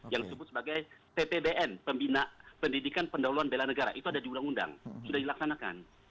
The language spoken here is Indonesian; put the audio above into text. yang disebut sebagai ppdn pembina pendidikan pendahuluan bela negara itu ada di undang undang sudah dilaksanakan